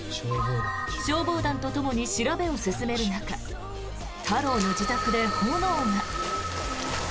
消防団とともに調べを進める中太郎の自宅で炎が！